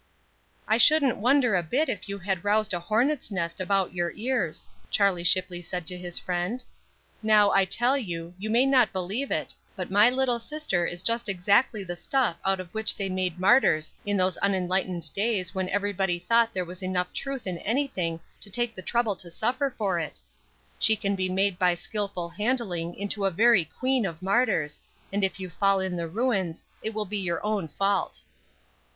"I shouldn't wonder a bit if you had roused a hornet's nest about your ears," Charlie Shipley said to his friend. "Now I tell you, you may not believe it, but my little sister is just exactly the stuff out of which they made martyrs in those unenlightened days when anybody thought there was enough truth in anything to take the trouble to suffer for it. She can be made by skillful handling into a very queen of martyrs, and if you fall in the ruins, it will be your own fault."